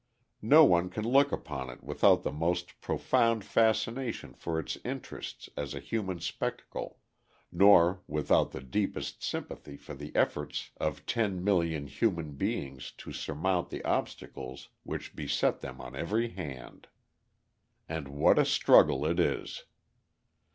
No one can look upon it without the most profound fascination for its interests as a human spectacle, nor without the deepest sympathy for the efforts of 10,000,000 human beings to surmount the obstacles which beset them on every hand. And what a struggle it is!